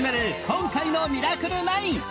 今回の『ミラクル９』